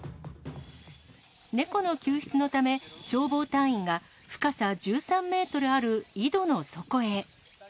猫の救出のため、消防隊員が深さ１３メートルある井戸の底へ。